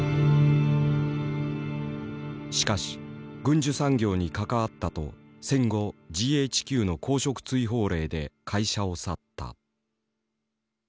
しかし軍需産業に関わったと戦後ＧＨＱの公職追放令で会社を去った。